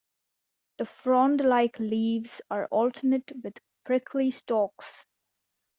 The frond-like leaves are alternate with prickly stalks.